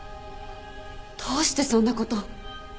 どうしてそんなこと。